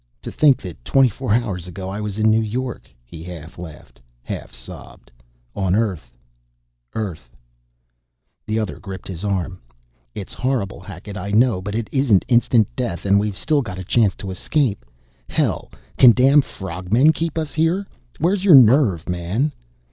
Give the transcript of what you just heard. "To think that twenty four hours ago I was in New York," he half laughed, half sobbed. "On Earth Earth " The other gripped his arm. "It's horrible, Hackett, I know. But it isn't instant death, and we've still a chance to escape. Hell, can damn frog men keep us here? Where's your nerve, man?"